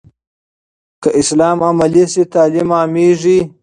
که اسلام عملي سي، تعلیم عامېږي.